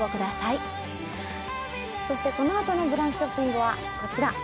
そしてこのあとのブランチショッピングはこちら。